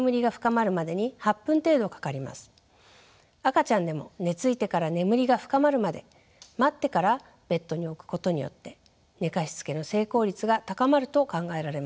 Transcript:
赤ちゃんでも寝ついてから眠りが深まるまで待ってからベッドに置くことによって寝かしつけの成功率が高まると考えられました。